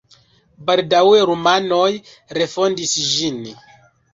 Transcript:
Baldaŭe rumanoj refondis ĝin.